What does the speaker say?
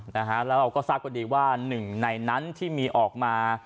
แล้วเราก็ทราบกันดีว่าหนึ่งในนั้นที่มีออกมา